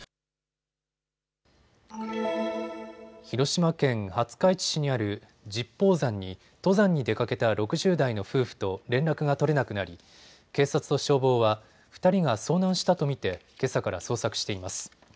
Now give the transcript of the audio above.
広島県廿日市市にある十方山に登山に出かけた６０代の夫婦と連絡が取れなくなり警察と消防は２人が遭難したと見てけさから捜索しています。